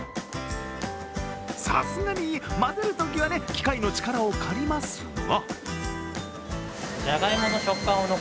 さすがに混ぜるときは機械の力を借りますが。